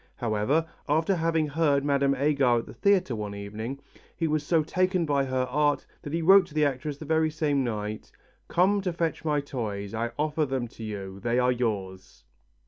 However, after having heard Mme. Agar at the theatre one evening, he was so taken by her art that he wrote to the actress the very same night, "Come to fetch my toys. I offer them to you, they are yours."